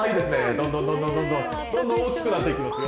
どんどんどんどんどんどんどんどん大きくなっていきますよ